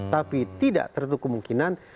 tapi tidak tertentu kemungkinan